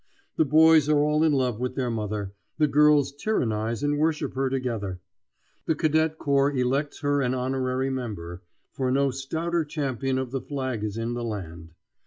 The boys are all in love with their mother; the girls tyrannize and worship her together. The cadet corps elects her an honorary member, for no stouter champion of the flag is in the land.